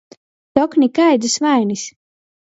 Tok nikaidys vainis.